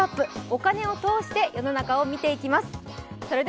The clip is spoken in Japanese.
お金を通して世の中を見ていきます。